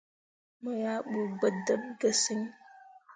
Mo yah ɓu gbǝ dǝɓ ge sǝŋ.